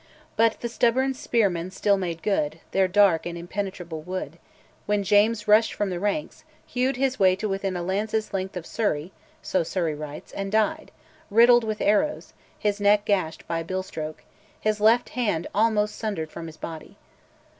But "The stubborn spearmen still made good Their dark impenetrable wood," when James rushed from the ranks, hewed his way to within a lance's length of Surrey (so Surrey writes), and died, riddled with arrows, his neck gashed by a bill stroke, his left hand almost sundered from his body.